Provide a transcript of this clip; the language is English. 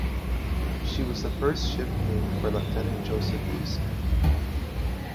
She was the first ship named for Lieutenant Joseph B. Smith.